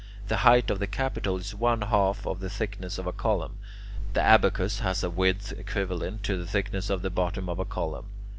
The height of the capital is one half the thickness of a column. The abacus has a width equivalent to the thickness of the bottom of a column.